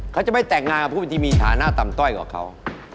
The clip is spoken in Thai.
เขาจะไม่แต่งงานกับผู้มีฐานะต่ำต้อยกว่าเขา